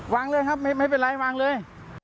วางเลยครับไม่เป็นไรวางเลย